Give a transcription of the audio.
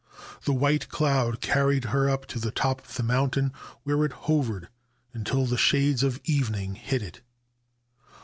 The white cloud carried her up to the top of the moun tain, where it hovered until the shades of evening hid it.